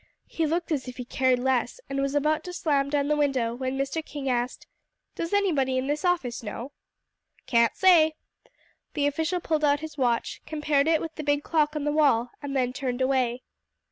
He looked as if he cared less, and was about to slam down the window, when Mr. King asked, "Does anybody in this office know?" "Can't say." The official pulled out his watch, compared it with the big clock on the wall, then turned away.